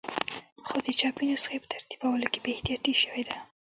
خو د چاپي نسخې په ترتیبولو کې بې احتیاطي شوې ده.